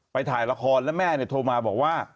ถ่ายละครแล้วแม่โทรมาบอกว่า